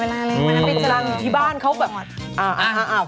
มันเป็นจรรย์ที่บ้านเขาแบบ